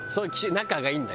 仲がいいんだ？